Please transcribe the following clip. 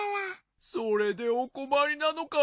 それでおこまりなのか。